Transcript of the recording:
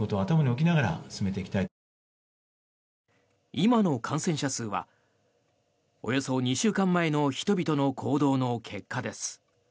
今の感染者数はおよそ２週間前の人々の行動の結果です。